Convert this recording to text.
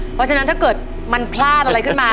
เพราะฉะนั้นถ้าเกิดมันพลาดอะไรขึ้นมา